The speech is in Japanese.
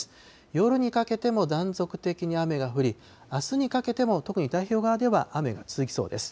夜にかけても断続的に雨が降り、あすにかけても特に太平洋側では雨が続きそうです。